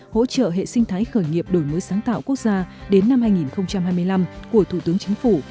hỗ trợ hệ sinh thái khởi nghiệp đổi mới sáng tạo quốc gia đến năm hai nghìn hai mươi năm của thủ tướng chính phủ